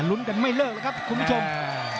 ลุ้นกันไม่เลิกแล้วครับคุณผู้ชม